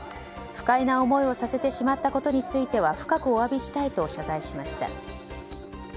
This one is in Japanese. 不快な思いをさせてしまったことについては深くお詫びしたいと謝罪しました。